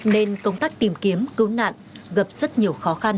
nên công tác tìm kiếm cứu nạn gặp rất nhiều khó khăn